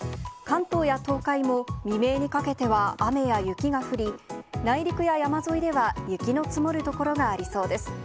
関東や東海も、未明にかけては雨や雪が降り、内陸や山沿いでは雪の積もる所がありそうです。